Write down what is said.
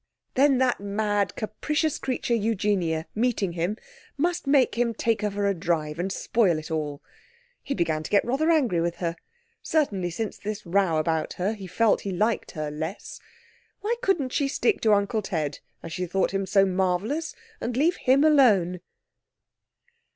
Then that mad, capricious creature, Eugenia, meeting him, must make him take her for a drive and spoil it all! He began to get rather angry with her. Certainly since this row about her, he felt he liked her less. Why couldn't she stick to Uncle Ted as she thought him so marvellous and leave him alone?